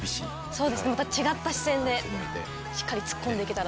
そうですねまた違った視線でしっかり突っ込んでいけたら。